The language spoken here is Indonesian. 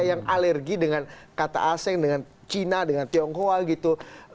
yang alergi dengan kata asing dengan cina dengan tionghoa gitu